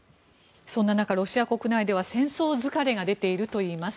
そんな中、ロシア国内では戦争疲れが出ているといいます。